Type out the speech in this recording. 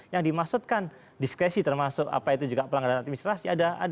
yang dimaksudkan diskresi termasuk apa itu juga pelanggaran administrasi